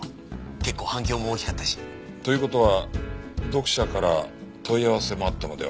結構反響も大きかったし。という事は読者から問い合わせもあったのでは？